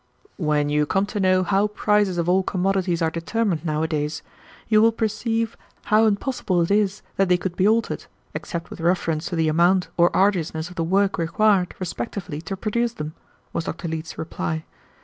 "When you come to know how prices of all commodities are determined nowadays, you will perceive how impossible it is that they could be altered, except with reference to the amount or arduousness of the work required respectively to produce them," was Dr. Leete's reply.